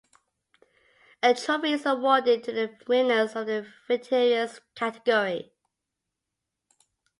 A trophy is awarded to the winners of the veterans category.